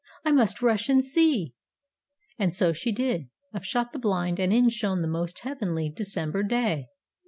I must rush and see!" And so she did. Up shot the blind, and in shone the most heavenly December day!